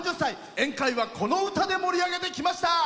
宴会は、この歌で盛り上げてきました！